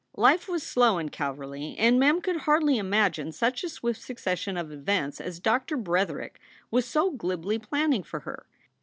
Life was slow in Calverly, and Mem could hardly imagine such a swift succession of events as Doctor Bretherick was so glibly planning for her.